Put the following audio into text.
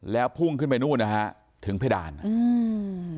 แล้วพุ่งขึ้นไปนู่นนะฮะถึงเพดานอืม